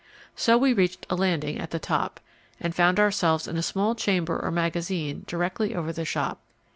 So we reached a landing at the top, and found ourselves in a small chamber or magazine directly over the shop.